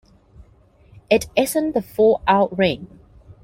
It isn't the fallout rain.